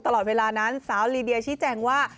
ตลอดเวลานั้นสาวลีเดียชี้แจงว่า